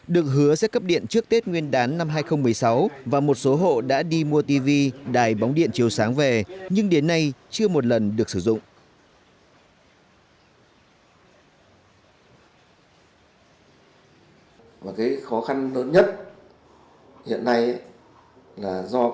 được hứa sẽ cấp điện trước tết nguyên đán năm hai nghìn một mươi sáu và một số hộ đã đi mua tv đài bóng điện chiếu sáng về nhưng đến nay chưa một lần được sử dụng